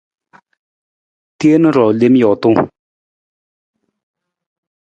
Teen ruu lem jootung.